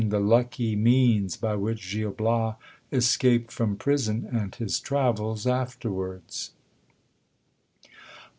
— The lucky means by which Gil Bias escaped from prison, and his travels afterwards.